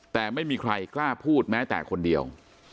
แต่ไม่มีใครกล้าพูดแม้แต่คนเดียว